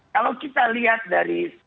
kalau kita lihat dari